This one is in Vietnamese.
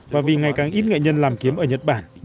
và vì ngày càng ít nghệ nhân làm kiếm ở nhật bản